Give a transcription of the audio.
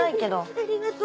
ありがとう。